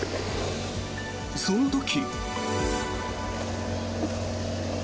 その時。